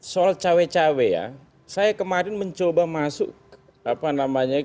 soal cawe cawe ya saya kemarin mencoba masuk ke terminologi cawe cawe positif yang disampaikan pak jokowi